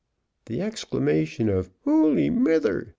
The exclamation of "Holy Mither!"